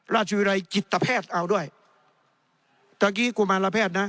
ราชวิรัยจิตแพทย์เอาด้วยตะกี้กุมารแพทย์นะ